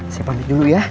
saya pamit dulu ya